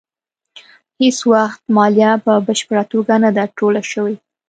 هېڅ وخت مالیه په بشپړه توګه نه ده ټوله شوې.